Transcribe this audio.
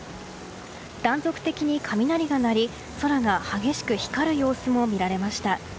断続的に雷が鳴り、空が激しく光る様子も見られました。